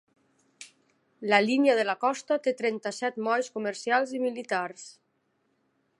La línia de la costa té trenta-set molls comercials i militars.